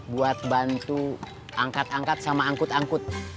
buat bantu angkat angkat sama angkut angkut